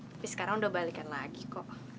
tapi sekarang udah balikan lagi kok